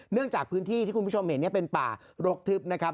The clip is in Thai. จากพื้นที่ที่คุณผู้ชมเห็นเป็นป่ารกทึบนะครับ